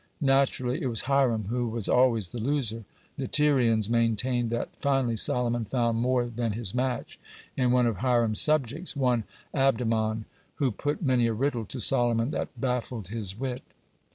Naturally it was Hiram who was always the loser. The Tyrians maintain that finally Solomon found more than his match in one of Hiram's subjects, one Abdamon, who put many a riddle to Solomon that baffled his wit.